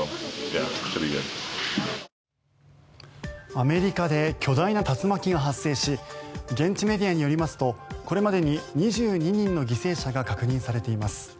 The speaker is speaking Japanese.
アメリカで巨大な竜巻が発生し現地メディアによりますとこれまでに２２人の犠牲者が確認されています。